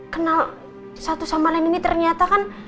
kenal satu sama lain ini ternyata kan